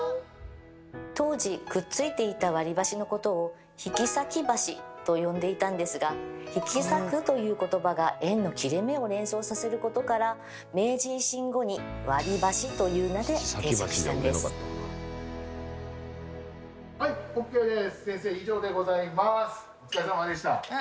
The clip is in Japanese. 当時くっついていた割り箸のことを「引き裂き箸」と呼んでいたんですが「引き裂く」ということばが縁の切れ目を連想させることから明治維新後に「割り箸」という名で定着したんです。ということでえ？